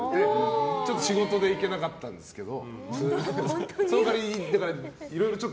ちょっと仕事で行けなかったんですけど。